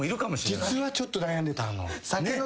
実はちょっと悩んでたの。